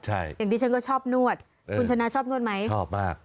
ใช่อย่างที่ฉันก็ชอบนวดคุณชนะชอบนวดไหมชอบมาก